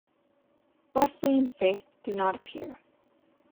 Wesley and Faith do not appear.